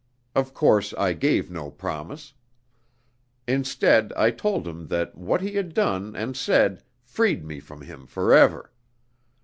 Of course I gave no promise. Instead, I told him that what he had done and said freed me from him forever.